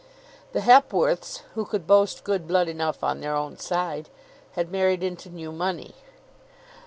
The Hepworths, who could boast good blood enough on their own side, had married into new money.